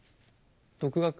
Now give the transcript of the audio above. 独学？